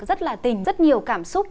rất là tình rất nhiều cảm xúc